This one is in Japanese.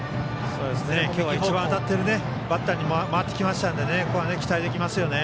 今日、一番当たっているバッターに回ってきましたのでここは期待できますよね。